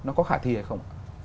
nó có khả thi hay không